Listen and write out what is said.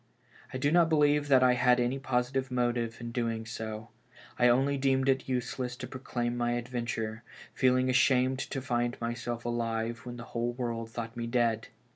I do not believe that I had any positive motive in doing so. I only deemed it useless to proclaim my adventure, feeling ashamed to find myself alive when the whole world thought me dead.